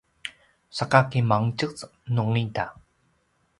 saka kimangtjez nungida?